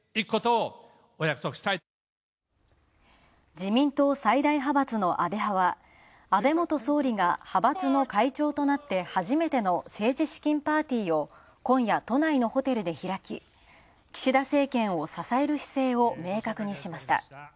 自民党最大派閥の安倍派は、安倍前総理が派閥の会長となって初めての政治資金パーティーを今夜、都内のホテルで開き岸田政権を支える姿勢を明確にしました。